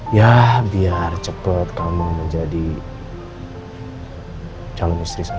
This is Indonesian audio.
ya biar cepat kamu menjadi calon istri saya